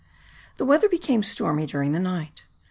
The weather became stormy during the night.